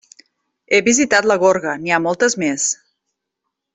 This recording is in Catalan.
He visitat la gorga, n'hi ha moltes més.